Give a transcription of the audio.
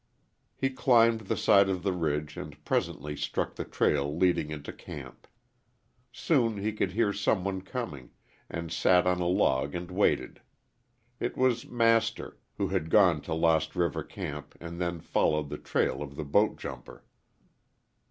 He climbed the side of the ridge and presently struck the trail leading into camp. Soon he could hear some one coming, and sat on a log and waited. It was Master, who had gone to Lost River camp and then followed the trail of the boat jumper.